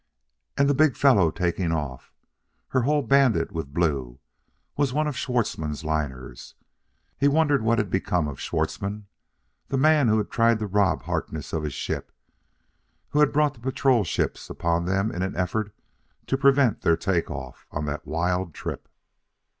And the big fellow taking off, her hull banded with blue, was one of Schwartzmann's liners. He wondered what had become of Schwartzmann, the man who had tried to rob Harkness of his ship; who had brought the patrol ships upon them in an effort to prevent their take off on that wild trip.